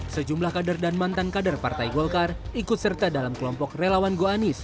sejumlah kader dan mantan kader partai golkar ikut serta dalam kelompok relawan goanis